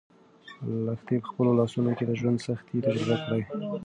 لښتې په خپلو لاسو کې د ژوند سختۍ تجربه کړې.